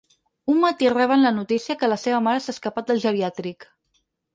Un matí reben la notícia que la seva mare s’ha escapat del geriàtric.